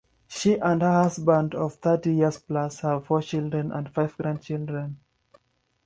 She and her husband, of thirty years plus, have four children and five grandchildren.